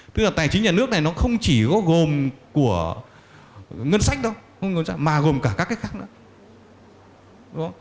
tức là tài chính nhà nước này nó không chỉ có gồm của ngân sách đâu mà gồm cả các cái khác nữa